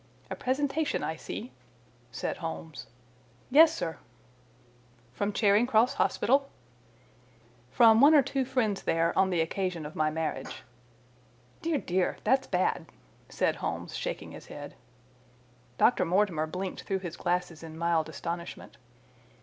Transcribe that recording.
"A presentation, I see," said Holmes. "Yes, sir." "From Charing Cross Hospital?" "From one or two friends there on the occasion of my marriage." "Dear, dear, that's bad!" said Holmes, shaking his head. Dr. Mortimer blinked through his glasses in mild astonishment.